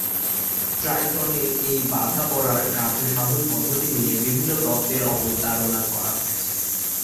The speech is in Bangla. ট্রাইটনের এই বাঁধা পড়ার কার্যসাধন-পদ্ধতি নিয়ে বিভিন্ন তত্ত্বের অবতারণা করা হয়েছে।